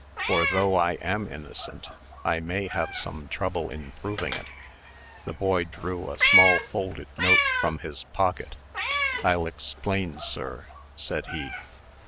For, though I am innocent, I may have some trouble in proving it." The boy drew a small folded note from his pocket. "I'll explain, sir," said he.